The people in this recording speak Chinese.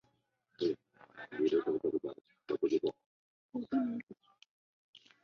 航空公园所在的并木地区聚集许多公共机关。